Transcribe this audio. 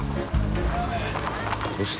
どうした？